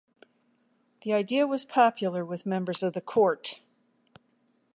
The idea was popular with members of the court.